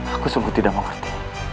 aku sempat tidak mengerti